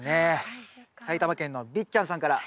埼玉県のびっちゃんさんから。